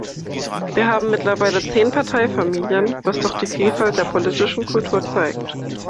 Wir haben mittlerweile zehn Parteifamilien, was doch die Vielfalt der politischen Kultur zeigt.